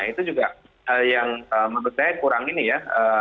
itu juga yang menurut saya kurang ini ya